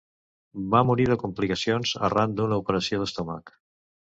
Va morir de complicacions arran d’una operació d'estómac.